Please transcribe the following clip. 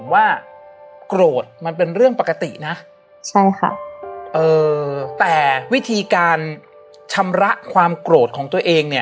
ว่าโกรธมันเป็นเรื่องปกตินะใช่ค่ะเอ่อแต่วิธีการชำระความโกรธของตัวเองเนี่ย